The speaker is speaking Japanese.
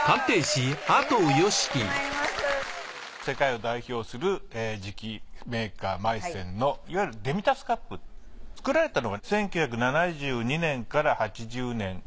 世界を代表する磁器メーカーマイセンのいわゆるデミタスカップ。作られたのは１９７２年から８０年。